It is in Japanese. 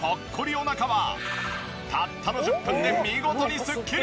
お腹はたったの１０分で見事にすっきり！